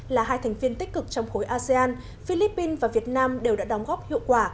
là hai thành viên tích cực trong khối asean philippines và việt nam đều đã đóng góp hiệu quả